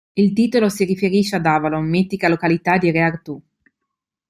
Il titolo si riferisce ad Avalon, mitica località di Re Artù.